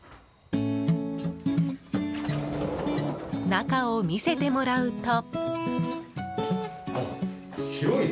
中を見せてもらうと。